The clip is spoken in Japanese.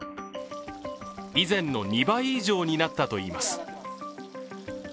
以前の２倍以上になったといいます。